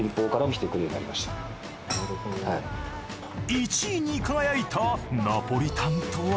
１位に輝いたナポリタンとは。